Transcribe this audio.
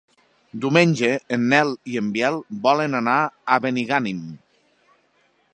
Diumenge en Nel i en Biel volen anar a Benigànim.